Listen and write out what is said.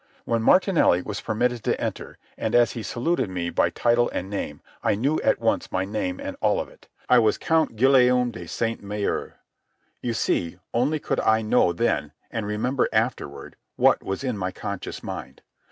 When Martinelli was permitted to enter and as he saluted me by title and name, I knew at once my name and all of it. I was Count Guillaume de Sainte Maure. (You see, only could I know then, and remember afterward, what was in my conscious mind.)